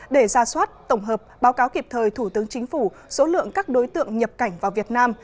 để ra soát tổng hợp báo cáo kịp thời thủ tướng chính phủ số lượng các đối tượng nhập cảnh vào việt nam